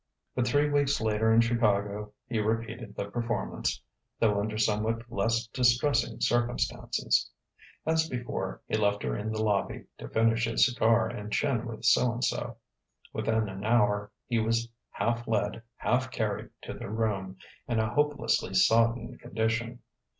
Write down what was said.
But three weeks later in Chicago he repeated the performance, though under somewhat less distressing circumstances. As before, he left her in the lobby, "to finish his cigar and chin with Soandso." Within an hour he was half led, half carried to their room, in a hopelessly sodden condition.